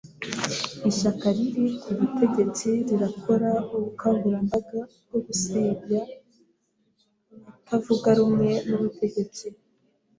Ishyaka riri ku butegetsi rirakora ubukangurambaga bwo gusebya abatavuga rumwe n’ubutegetsi.